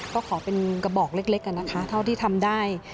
ก็ขอเป็นกระบอกเล็กนะคะเท่าที่ทำได้